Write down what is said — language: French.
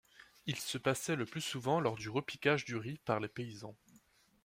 Il se passait le plus souvent lors du repiquage du riz par les paysans.